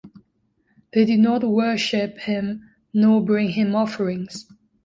They do not worship him nor bring him offerings.